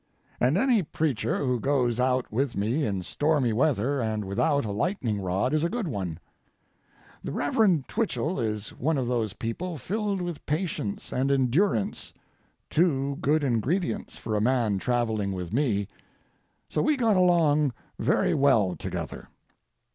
And any preacher who goes out with me in stormy weather and without a lightning rod is a good one. The Reverend Twichell is one of those people filled with patience and endurance, two good ingredients for a man travelling with me, so we got along very well together.